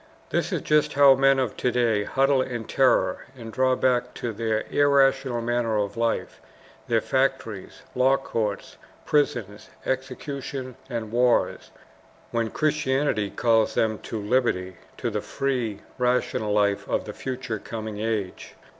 This is just how men of to day huddle in terror and draw back to their irrational manner of life, their factories, law courts, prisons, executions, and wars, when Christianity calls them to liberty, to the free, rational life of the future coming age.